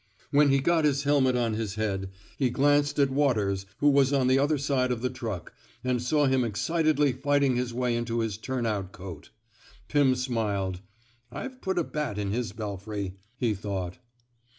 When he got his helmet on his head, he glanced at Waters, who was on the other side of the truck, and saw him excitedly fighting his way into his turn out coat. Pim smiled. *'IVe put a bat in his belfry, *' he thought.